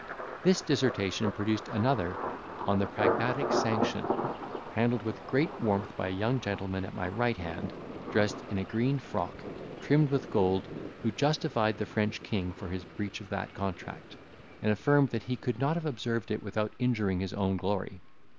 This dissertation produced another on the Pragmatic Sanction, handled with great warmth by a young gentleman at my right hand, dressed in a green frock, trimmed with gold, who justified the French king for his breach of that contract; and affirmed that he could not have observed it without injuring his own glory.